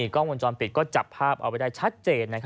กล้องวงจรปิดก็จับภาพเอาไว้ได้ชัดเจน